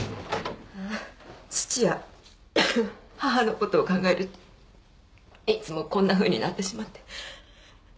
父や母の事を考えるといつもこんなふうになってしまって。